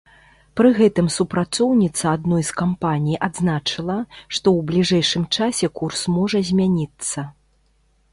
Пры гэтым супрацоўніца адной з кампаній адзначыла, што ў бліжэйшым часе курс можа змяніцца.